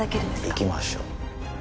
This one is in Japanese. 行きましょう。